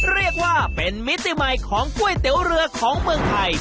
เรียกว่าเป็นมิติใหม่ของก๋วยเตี๋ยวเรือของเมืองไทย